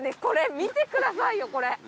これ見てくださいよこれ。